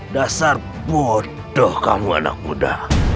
dasar bodoh kamu anak muda